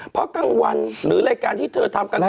เพราะกลางวันหรือรายการที่เธอทำกัน